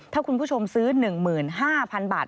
ถ้าคุณผู้ชมซื้อ๑๕๐๐๐บาท